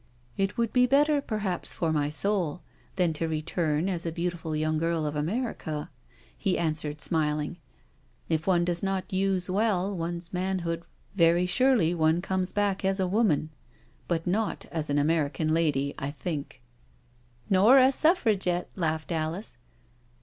It would be better perhaps for my soul, than to return as a beautiful young girl of America," he an swered, smiling. " If one does not use well one's man hood very surely one comes back as a woman, but not as an American lady, I think I "" Nor a Suffragette,*' laughed Alice.